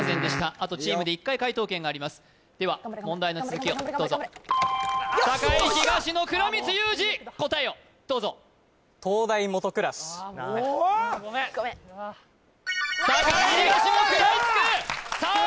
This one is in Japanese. あとチームで１回解答権がありますでは問題の続きをどうぞ栄東の倉光勇志答えをどうぞ灯台もと暗し栄東が食らいつくさあ